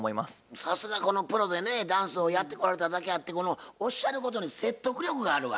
さすがプロでねダンスをやってこられただけあってこのおっしゃることに説得力があるわ。